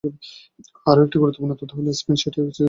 আরও একটি গুরুত্বপূর্ণ তথ্য হলো স্পেনে সেটাই ছিল জামোরার শেষ ম্যাচ।